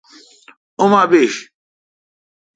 اوما بیش۔